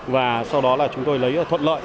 và sau đó là chúng tôi lấy thuận lợi